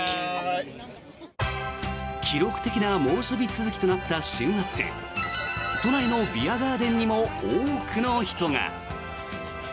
記録的な猛暑日続きとなった週末都内のビアガーデンにも多くの人が。